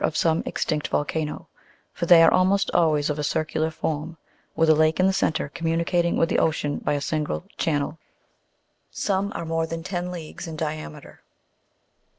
of some extinct volcano, for they are almost always of a circular form, with a lake in the centre communicating with the ocean by a single channel : some are more than ten leagues in dia meter.